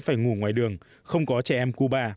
phải ngủ ngoài đường không có trẻ em cuba